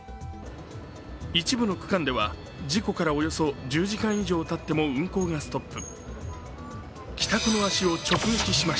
一部の区間では事故からおよそ１０時間以上たっても運行がストップ。